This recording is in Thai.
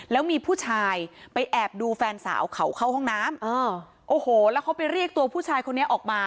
แล้วมีผู้ชายไปแอบดูแฟนสาวเขาเข้าห้องน้ำโอ้โหแล้วเขาไปเรียกตัวผู้ชายคนนี้ออกมา